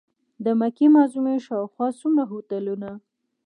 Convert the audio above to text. د مکې معظمې شاوخوا څومره هوټلونه.